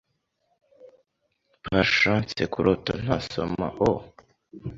perchance kurota nta soma oh?